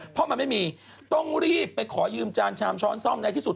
เพราะมันไม่มีต้องรีบไปขอยืมจานชามช้อนซ่อมในที่สุด